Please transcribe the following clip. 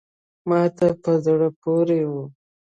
ما ته په زړه پوري وه …